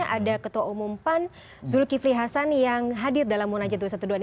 ada ketua umum pan zulkifli hasan yang hadir dalam munajat dua ratus dua belas ini